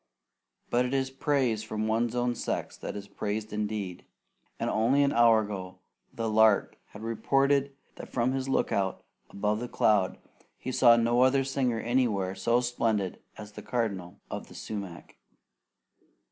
But it is praise from one's own sex that is praise indeed, and only an hour ago the lark had reported that from his lookout above cloud he saw no other singer anywhere so splendid as the Cardinal of the sumac.